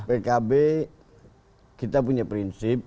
pkb kita punya prinsip